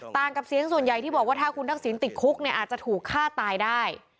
กับเสียงส่วนใหญ่ที่บอกว่าถ้าคุณทักษิณติดคุกเนี่ยอาจจะถูกฆ่าตายได้